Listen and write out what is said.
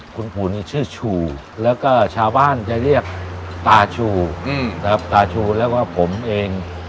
คุณปู่นี่ชื่อชูแล้วก็ชาวบ้านจะเรียกตาชูนะครับตาชูแล้วก็ผมเอง